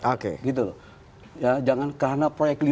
oke gitu loh ya jangan karena proyek lima